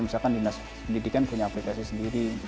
misalkan dinas pendidikan punya aplikasi sendiri